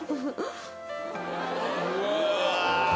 うわ。